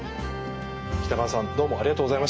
北川さんどうもありがとうございました。